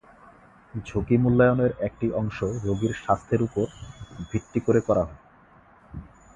ঝুঁকি মূল্যায়নের একটি অংশ রোগীর স্বাস্থ্যের উপর ভিত্তি করে করা হয়।